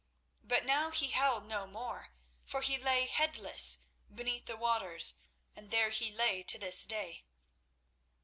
But now he howled no more, for he lay headless beneath the waters, and there he lies to this day.